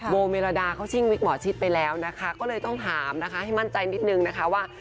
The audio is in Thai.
โมเมรดาเขาชิ่งวิกหมอชิดไปแล้วนะคะก็เลยต้องถามนะคะให้มั่นใจนิดนึงนะคะว่า